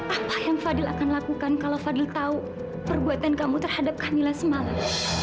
apa yang fadil akan lakukan kalau fadil tahu perbuatan kamu terhadap kamilah semalam